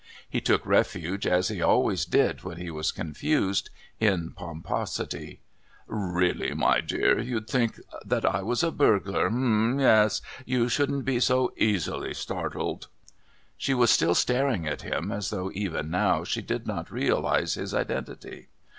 He took refuge, as he always did when he was confused, in pomposity. "Really, my dear, you'd think I was a burglar. Hum yes. You shouldn't be so easily startled." She was still staring at him as though even now she did not realise his identity.